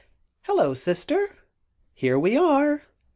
"Hello, Sister! Here we are!